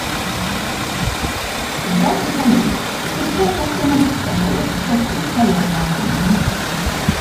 F'dan il-pajjiż il-Gvern Nazzjonalista ħoloq is-settur tal-online gaming.